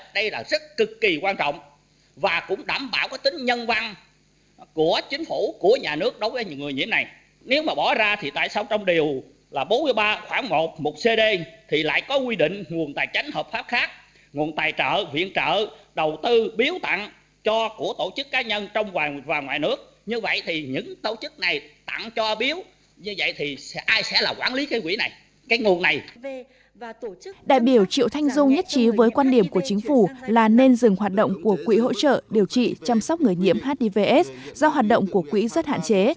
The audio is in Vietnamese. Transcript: đại biểu trịu thanh dung nhất trí với quan điểm của chính phủ là nên dừng hoạt động của quỹ hỗ trợ điều trị chăm sóc người nhiễm hivs do hoạt động của quỹ rất hạn chế